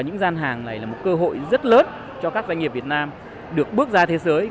những gian hàng này là một cơ hội rất lớn cho các doanh nghiệp việt nam được bước ra thế giới